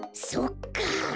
そっか！